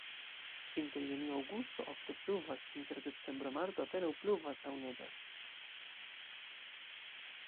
Inter junio-aŭgusto ofte pluvas, inter decembro-marto apenaŭ pluvas aŭ neĝas.